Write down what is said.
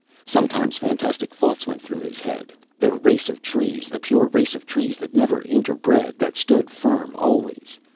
Sometimes, fantastic thoughts went through his head. The race of trees, the pure race of trees that never interbred, that stood firm always.